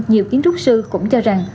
nhiều kiến trúc sư cũng cho rằng